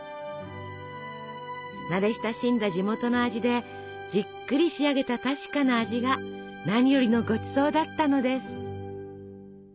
慣れ親しんだ地元の味でじっくり仕上げた確かな味が何よりのごちそうだったのです。